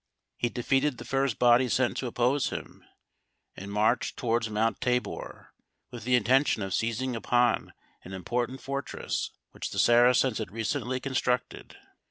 He defeated the first body sent to oppose him, and marched towards Mount Tabor with the intention of seizing upon an important fortress which the Saracens had recently constructed.